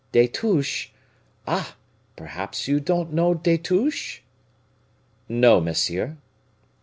Destouches Ah! perhaps you don't know Destouches?" "No, monsieur."